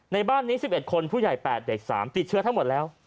ในบ้านนี้๑๑คนผู้ใหญ่๘เด็ก๓ติดเชื้อทั้งหมดแล้ว